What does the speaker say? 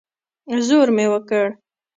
زور مې وکړ.